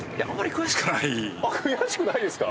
悔しくないですか？